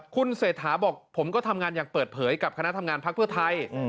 คุณเศรษฐาบอกผมก็ทำงานอย่างเปิดเผยกับคณะทำงานพักเพื่อไทย